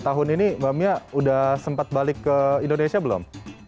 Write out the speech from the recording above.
tahun ini mbak mia sudah sempat balik ke indonesia belum